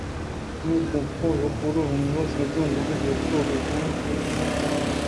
اے گپ ءَ یک برے ہانز ءَ سرجمءَ گلے جت بلئے دومی دمانءَ آئیءَ وتی گپاں چہ انکار پدّر کُت